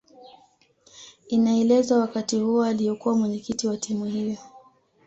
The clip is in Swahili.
Inaelezwa wakati huo aliyekuwa Mwenyekiti wa timu hiyo